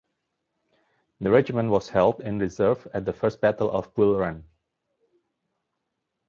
The regiment was held in reserve at the First Battle of Bull Run.